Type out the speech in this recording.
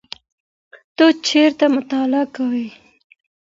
ته چېرته مطالعه کوې؟